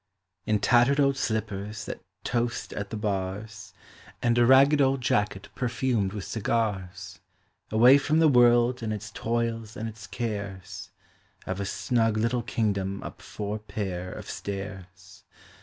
In tattered old slippers that toast at the bars, And a ragged old jacket perfumed with cigars, Away from the world and its toils and its cares, I Ve a snug little kingdom up four pair of stairs.